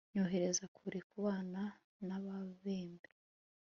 nyohereza kure kubana nababembe